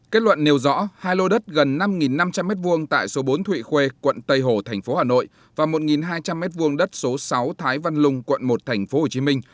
kết luận nêu rõ hai lô đất gần năm năm trăm linh m hai tại số bốn thụy khuê quận tây hồ thành phố hà nội và một hai trăm linh m hai đất số sáu thái văn lung quận một thành phố hồ chí minh